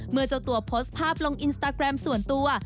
เจ้าตัวโพสต์ภาพลงอินสตาแกรมส่วนตัว